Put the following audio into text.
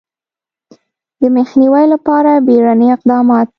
د مخنیوي لپاره بیړني اقدامات